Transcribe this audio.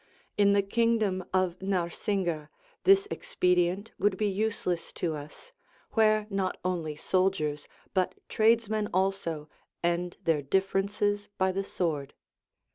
In the kingdom of Narsingah this expedient would be useless to us, where not only soldiers, but tradesmen also, end their differences by the sword.